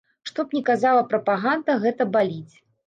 Што б ні казала прапаганда, гэта баліць.